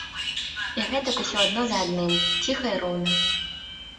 І гэтак усё адно за адным, ціха і роўна.